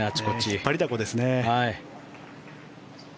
引っ張りだこですね。